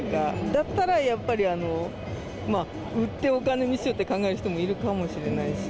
だったらやっぱり売ってお金にしようって考える人もいるかもしれないし。